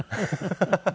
ハハハハ。